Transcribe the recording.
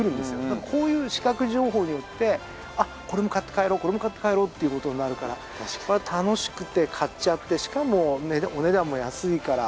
だからこういう視覚情報によってあっこれも買って帰ろうこれも買って帰ろうっていう事になるから楽しくて買っちゃってしかもお値段も安いから。